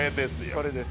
これです。